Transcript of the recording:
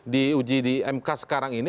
diuji di mk sekarang ini